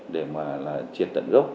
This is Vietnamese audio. để mà là triệt tận gốc